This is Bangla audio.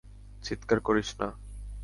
চিৎকার করিস না।